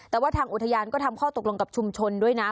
แต่ว่าทางอุทยานก็ทำข้อตกลงกับชุมชนด้วยนะ